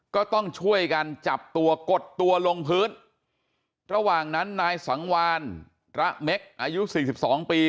ก็ต้องช่วยกันจับตัวกดตัวลงพื้นระหว่างนั้นนายสังวานระเม็กอายุสี่สิบสองปี